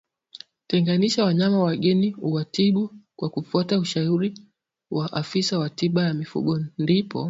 Tenganisha wanyama wageni uwatibu kwa kufuata ushauri wa afisa wa tiba ya mifugo ndipo